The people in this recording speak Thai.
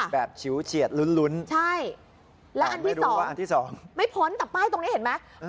ฉิวเฉียดลุ้นใช่และอันที่สองอันที่สองไม่พ้นแต่ป้ายตรงนี้เห็นไหม